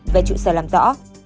về trụ sở làm rõ